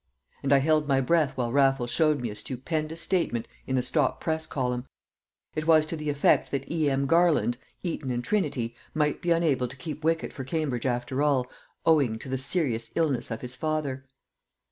And I held my breath while Raffles showed me a stupendous statement in the stop press column: it was to the effect that E.M. Garland (Eton and Trinity) might be unable to keep wicket for Cambridge after all, "owing to the serious illness of his father."